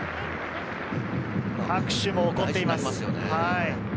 拍手も起こっています。